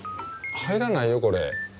入らないよこれ。